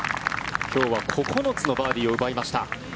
今日は９つのバーディーを奪いました。